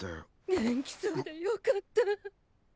元気そうでよかった。